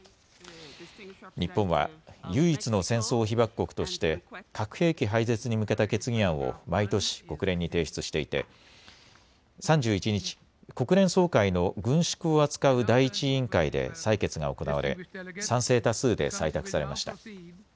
日本は唯一の戦争被爆国として核兵器廃絶に向けた決議案を毎年、国連に提出していて３１日、国連総会の軍縮を扱う第１委員会で採決が行われ賛成多数で採択されました。